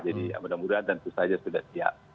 jadi mudah mudahan dan itu saja sudah siap